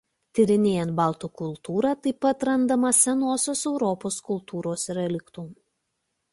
Tyrinėjant baltų kultūrą taip pat randama Senosios Europos kultūros reliktų.